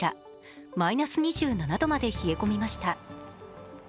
マイナス２７度まで冷え込みました。